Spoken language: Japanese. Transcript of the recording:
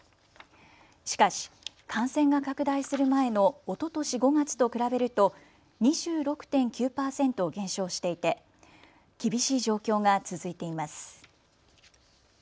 しかし感染が拡大する前のおととし５月と比べると２６．９％減少していて厳しい状況が続いています。